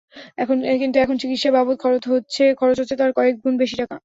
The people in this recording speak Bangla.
কিন্তু এখন চিকিৎসা বাবদ খরচ হচ্ছে তার কয়েক গুণ বেশি টাকা।